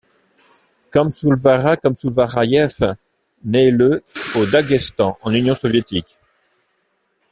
Çamsulvara Çamsulvarayev naît le au Daghestan, en Union soviétique.